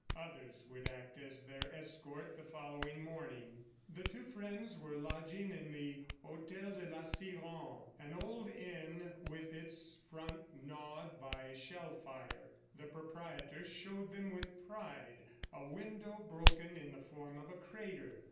Others would act as their escort the following morning. The two friends were lodging in the Hotel de la Siren, an old inn with its front gnawed by shell fire. The proprietor showed them with pride a window broken in the form of a crater.